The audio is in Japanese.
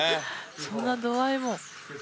そんな度合いも。